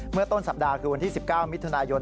เมื่อต้นสัปดาห์คือวันที่๑๙มิถุนายน